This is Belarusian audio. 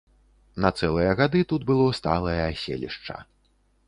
На цэлыя гады тут было сталае аселішча.